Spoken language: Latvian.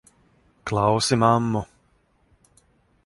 Klausi mammu!